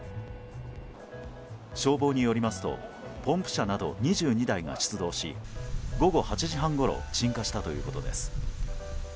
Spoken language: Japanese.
消防によりますとポンプ車など２２台が出動し午後８時半ごろ鎮火したということです。